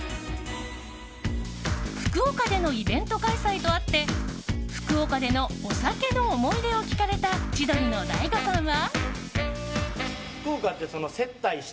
福岡でのイベント開催とあって福岡でのお酒の思い出を聞かれた千鳥の大悟さんは。